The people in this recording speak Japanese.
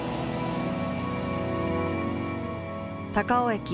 高尾駅